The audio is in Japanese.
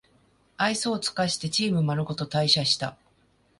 愛想つかしてチームまるごと退社した